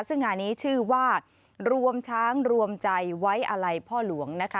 ซึ่งงานนี้ชื่อว่ารวมช้างรวมใจไว้อาลัยพ่อหลวงนะคะ